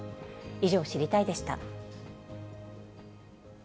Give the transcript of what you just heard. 以上、知りたいッ！でした。